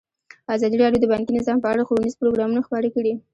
ازادي راډیو د بانکي نظام په اړه ښوونیز پروګرامونه خپاره کړي.